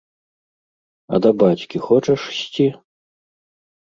А да бацькі хочаш ісці?